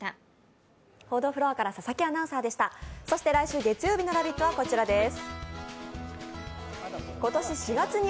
そして来週月曜日の「ラヴィット！」はこちらです。